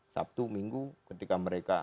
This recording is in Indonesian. sabtu minggu ketika mereka